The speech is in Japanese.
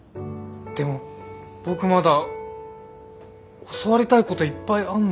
でも僕まだ教わりたいこといっぱいあんのに。